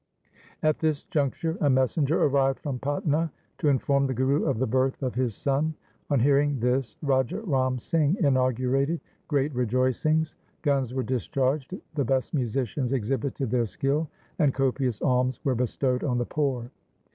At this juncture a messenger arrived from Patna to inform the Guru of the birth of his son. On hearing this Raja Ram Singh inaugurated great rej oicings. Guns were discharged, the best musicians exhibited their skill, and copious alms were bestowed on the poor.